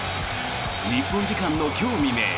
日本時間の今日未明